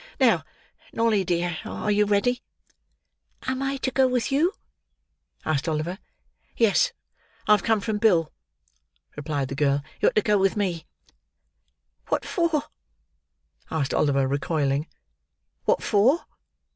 Now, Nolly, dear, are you ready?" "Am I to go with you?" asked Oliver. "Yes. I have come from Bill," replied the girl. "You are to go with me." "What for?" asked Oliver, recoiling. "What for?"